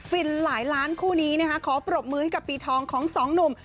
ินหลายล้านคู่นี้นะคะขอปรบมือให้กับปีทองของสองหนุ่ม